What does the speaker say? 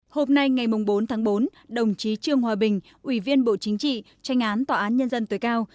hôm nay ngày bốn tháng bốn đồng chí trương hòa bình ủy viên bộ chính trị tranh án tòa án nhân dân tối cao